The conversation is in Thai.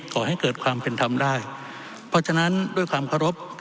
ขอให้เกิดความเป็นธรรมได้เพราะฉะนั้นด้วยความเคารพ